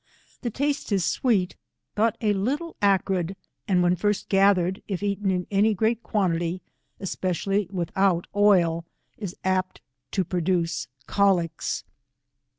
The taste is sweet, but a little acrid, ftsd when first gathered, if eaten in any great quantity, especially without oil, is apt to produce cholics.